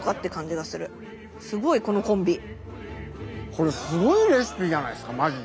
これすごいレシピじゃないですかマジで。